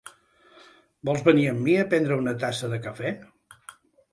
Vols venir amb mi a prendre una tassa de cafè?